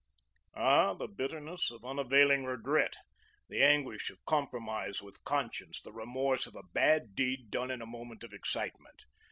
Ah, the bitterness of unavailing regret, the anguish of compromise with conscience, the remorse of a bad deed done in a moment of excitement.